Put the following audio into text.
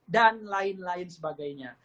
dan lain lain sebagainya